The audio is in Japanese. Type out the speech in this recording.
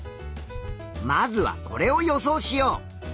まずはこれを予想しよう。